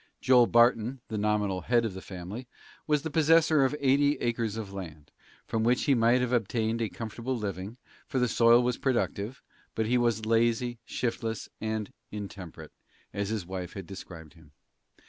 Joel Barton, the nominal head of the family, was the possessor of eighty acres of land, from which he might have obtained a comfortable living, for the soil was productive; but he was lazy, shiftless and intemperate, as his wife had described him.